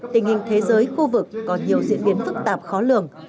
tình hình thế giới khu vực có nhiều diễn biến phức tạp khó lường